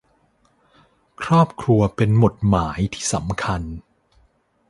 ครอบครัวเป็นหมุดหมายที่สำคัญ